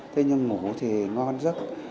thế nhưng ngủ thì ngon rất